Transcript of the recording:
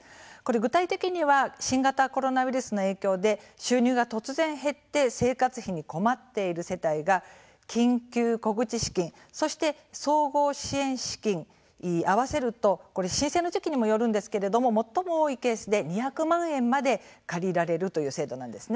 具体的には新型コロナウイルスの影響で収入が突然減って生活費に困っている世帯緊急小口資金そして総合支援資金合わせると申請の時期にもよるんですけれども最も多いケースで２００万円まで借りられるという制度なんです。